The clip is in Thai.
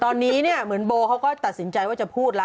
ตอนนี้เนี่ยเหมือนโบเขาก็ตัดสินใจว่าจะพูดแล้ว